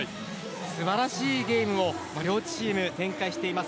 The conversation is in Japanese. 素晴らしいゲームを両チーム展開しています。